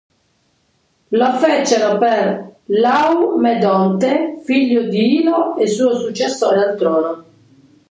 Lo fecero per Laomedonte, figlio di Ilo e suo successore al trono.